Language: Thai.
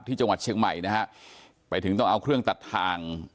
ที่จังหวัดเชียงใหม่นะฮะไปถึงต้องเอาเครื่องตัดทาง